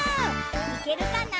いけるかな？